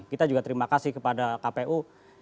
kita juga terima kasih kepada kpu